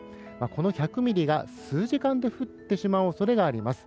この１００ミリが数時間で降ってしまう恐れがあります。